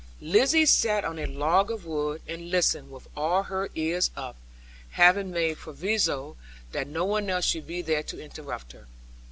Lizzie sat on a log of wood, and listened with all her ears up, having made proviso that no one else should be there to interrupt her.